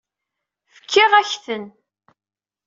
Fkiɣ-ak-ten.